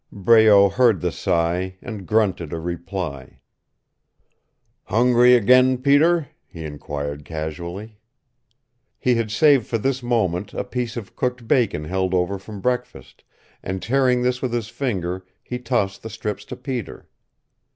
Breault heard the sigh, and grunted a reply, "Hungry again, Peter?" he inquired casually. He had saved for this moment a piece of cooked bacon held over from breakfast, and tearing this with his fingers he tossed the strips to Peter.